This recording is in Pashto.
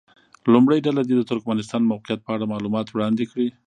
لومړۍ ډله دې د ترکمنستان موقعیت په اړه معلومات وړاندې کړي.